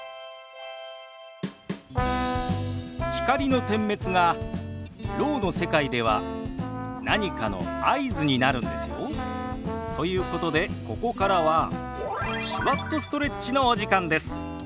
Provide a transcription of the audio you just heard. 光の点滅がろうの世界では何かの合図になるんですよ。ということでここからは「手話っとストレッチ」のお時間です。